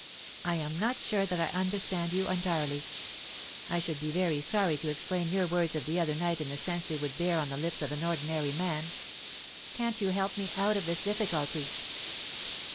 I am not sure that I understand you entirely; I should be very sorry to explain your words of the other night in the sense they would bear on the lips of an ordinary man. Can't you help me out of this difficulty?"